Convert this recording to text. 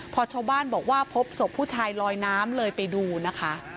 พอชาวบ้านบอกว่าพบศพผู้ชายลอยน้ำเลยไปดูนะคะ